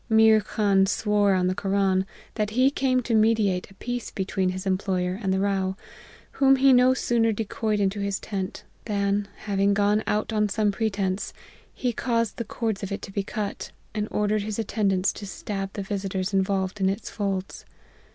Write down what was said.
Meer Khan swore on the Koran, that he came to mediate a peace between his employer and the Rao, whom he no sooner de coyed into his tent, than, having gone out on some pretence, he caused the cords of it to be cut, and ordered his attendants to stab the visiters involved in its folds.